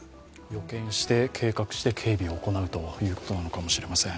予見して計画して警備を行うということなのかもしれません。